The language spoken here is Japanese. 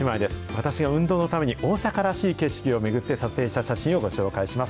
私が運動のために大阪らしい景色を巡って、撮影した写真をご紹介します。